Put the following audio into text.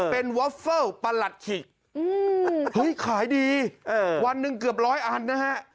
เป็นวอฟเฟิลประหลัดขิกขายดีวันหนึ่งเกือบร้อยอันนะฮะ